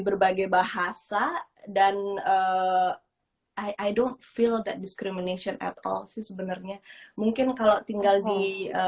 berbagai bahasa dan i ⁇ don feel that discrimination at all sih sebenarnya mungkin kalau tinggal di